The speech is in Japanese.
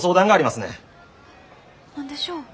何でしょう？